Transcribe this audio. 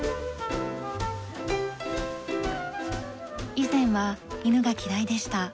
以前は犬が嫌いでした。